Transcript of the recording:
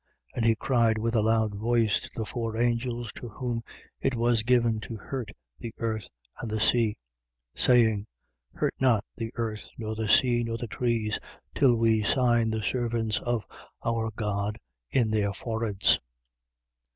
And he cried with a loud voice to the four angels to whom it was given to hurt the earth and the sea, 7:3. Saying: Hurt not the earth nor the sea nor the trees, till we sign the servants of our God in their foreheads.